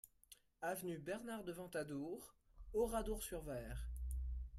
Avenue Bernard de Ventadour, Oradour-sur-Vayres